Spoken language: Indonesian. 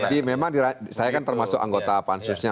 jadi memang saya kan termasuk anggota pansusnya